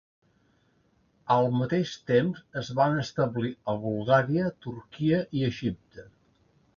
Al mateix temps, es van establir a Bulgària, Turquia i Egipte.